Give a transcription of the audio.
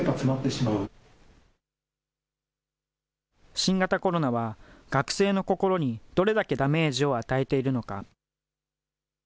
新型コロナは学生の心にどれだけダメージを与えているのか。